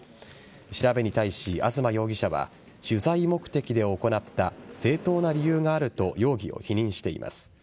調べに対し、東容疑者は取材目的で行った正当な理由があると容疑を否認しています。